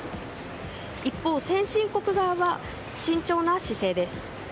一方、先進国側は慎重な姿勢です。